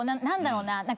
何だろうな。